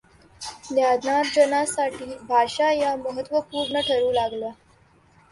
ज्ञानार्जनासाठी भाषा या महत्त्वपूर्ण ठरू लागल्या.